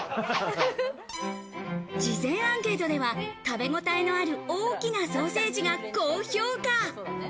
事前アンケートでは、食べ応えのある大きなソーセージが高評価。